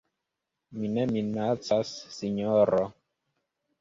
Mi ne minacas, sinjoro.